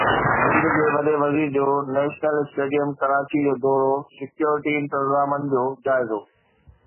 سنڌ جي وڏي وزير جو نيشنل اسٽيڊيم ڪراچي جو دورو، سڪيورٽي انتظامن جو جائزو